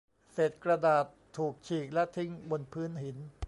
เศษกระดาษถูกฉีกและทิ้งบนพื้นหิน